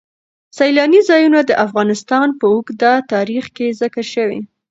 سیلانی ځایونه د افغانستان په اوږده تاریخ کې ذکر شوی دی.